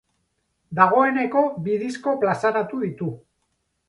Dagoeneko bi disko plazaratu ditu.